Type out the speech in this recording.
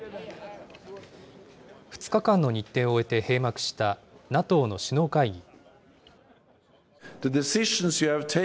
２日間の日程を終えて閉幕したＮＡＴＯの首脳会議。